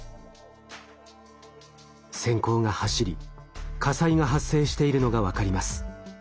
せん光が走り火災が発生しているのが分かります。